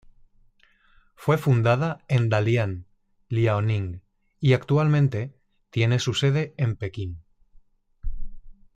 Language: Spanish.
Fue fundada en Dalian, Liaoning y actualmente tiene su sede en Pekín.